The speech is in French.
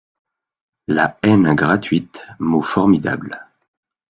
La haine gratuite, mot formidable.